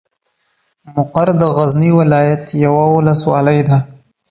مقر د غزني ولايت یوه ولسوالۍ ده.